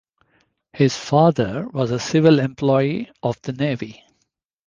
His father was a civil employee of the navy.